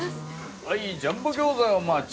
はいジャンボ餃子お待ち。